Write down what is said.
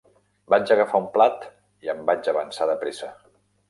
Vaig agafar un plat i em vaig avançar de pressa.